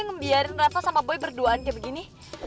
nggak bisa dibiarin revo sama boy berduaan kayak begini